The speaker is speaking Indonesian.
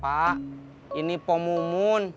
pak ini po mumun